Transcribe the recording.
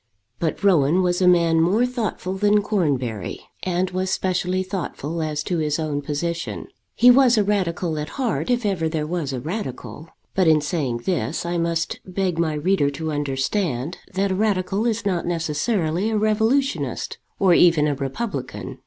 But Rowan was a man more thoughtful than Cornbury, and was specially thoughtful as to his own position. He was a radical at heart if ever there was a radical. But in saying this I must beg my reader to understand that a radical is not necessarily a revolutionist or even a republican.